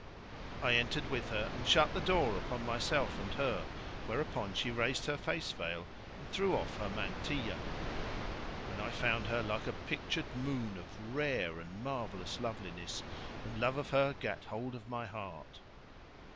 I entered with her and shut the door upon myself and her; whereupon she raised her face veil and threw off her mantilla, when I found her like a pictured moon of rare and marvellous loveliness; and love of her gat hold of my heart.